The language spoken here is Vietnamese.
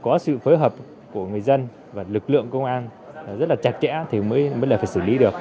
có sự phối hợp của người dân và lực lượng công an rất là chặt chẽ thì mới là phải xử lý được